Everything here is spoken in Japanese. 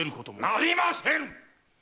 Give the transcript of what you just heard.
なりませぬっ‼